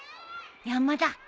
山田